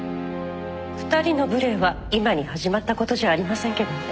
２人の無礼は今に始まった事じゃありませんけどね。